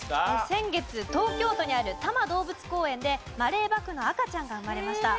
先月東京都にある多摩動物公園でマレーバクの赤ちゃんが生まれました。